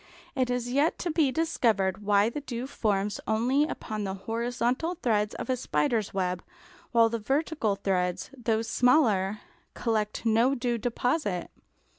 It is yet to be discovered why the dew forms only upon the horizontal threads of a spider's web, while the vertical threads, though smaller, collect no dew deposit.